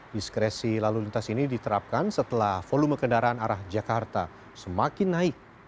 diskresi lalu lintas ini diterapkan setelah volume kendaraan arah jakarta semakin naik